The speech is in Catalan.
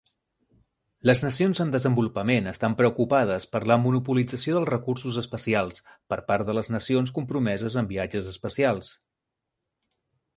Les nacions en desenvolupament estan preocupades per la monopolització dels recursos espacials per part de les nacions compromeses en viatges especials.